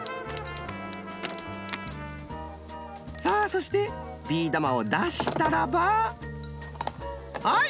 さあそしてビー玉をだしたらばはい！